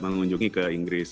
mengunjungi ke inggris